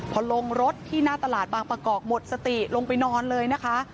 พอลงรถที่หน้าตลาดบางประกอบหมดสติลงไปนอนเลยนะคะ